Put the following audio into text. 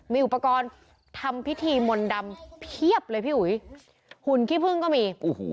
มีอุปกรณ์ทำพิธีมนต์ดำเพียบเลยหุ่นขี้พึ่งก็มี